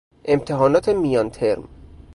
امتحانات میانترم